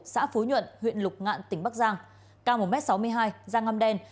xã phú nhuận huyện lục ngạn tỉnh bắc giang cao một m sáu mươi hai giang ngâm đen